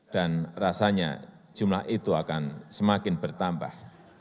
dan rasanya jumlah itu akan semakin bertambah